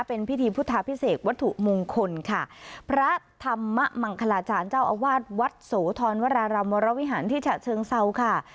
เป็นพิธีพุทธาพิเศษวัตถุมงคลค่ะพระธรรมมังคลาจารย์เจ้าอาวาสวัดโสธรวรารามวรวิหารที่ฉะเชิงเซาค่ะ